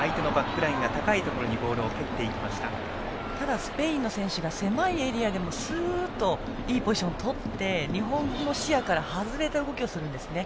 ただ、スペインの選手が狭いエリアでもスッといいポジションをとって日本の視野から外れた動きをするんですね。